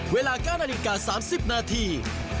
เวลา๙นาฬิกา๓๐นาที